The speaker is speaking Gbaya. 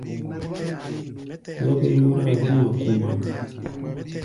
Zɔ́k yóráa kɔ̧́-a̧ kumak.